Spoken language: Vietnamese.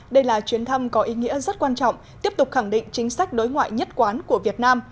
đây là chuyến thăm có ý nghĩa rất quan trọng tiếp tục khẳng định chính sách đối ngoại nhất quán của việt nam